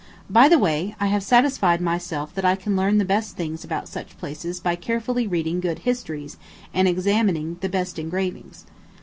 By the way, I have satisfied myself that I can learn the best things about such places by carefully reading good histories and examining the best engravings.